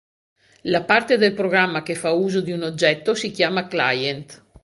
La parte del programma che fa uso di un oggetto si chiama "client".